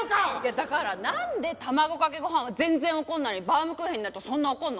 だからなんで卵かけご飯は全然怒らないのにバウムクーヘンになるとそんな怒るの？